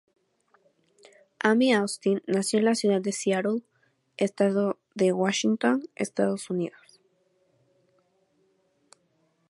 Amy Austin nació en la ciudad de Seattle, estado de Washington, Estados Unidos.